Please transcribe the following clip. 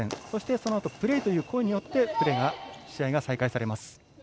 そのあとのプレーという声によってプレーが再開されます。